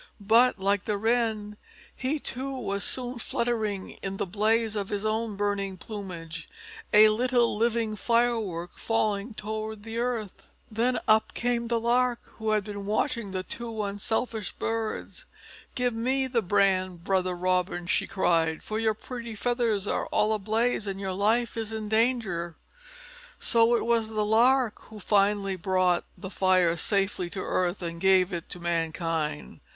But, like the Wren, he too was soon fluttering in the blaze of his own burning plumage, a little living firework, falling toward the earth. Then up came the Lark, who had been watching the two unselfish birds. "Give me the brand, brother Robin," she cried, "for your pretty feathers are all ablaze and your life is in danger." So it was the Lark who finally brought the fire safely to the earth and gave it to mankind.